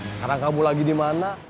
sekarang kamu lagi di mana